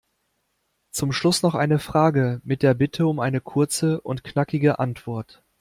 Zum Schluss noch eine Frage mit der Bitte um eine kurze und knackige Antwort.